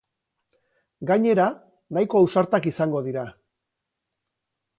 Gainera, nahiko ausartak izango dira.